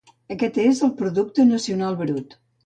Aquest és el Producte Nacional Brut.